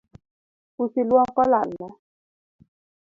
Usi luok olalna